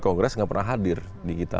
kongres nggak pernah hadir di kita